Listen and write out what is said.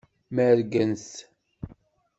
Mergent.